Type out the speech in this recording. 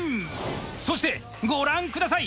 そしてご覧下さい。